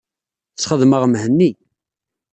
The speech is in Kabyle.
Sxedmeɣ Mhenni.